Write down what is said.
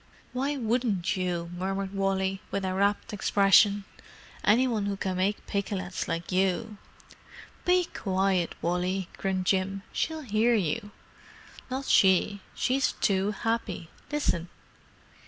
'"_ "Why wouldn't you?" murmured Wally, with a rapt expression. "Any one who can make pikelets like you——" "Be quiet, Wally," grinned Jim. "She'll hear you." "Not she—she's too happy. Listen."